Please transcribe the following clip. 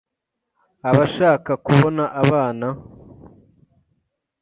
abashaka kubona abana, ...